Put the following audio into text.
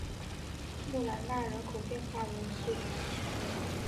穆兰纳人口变化图示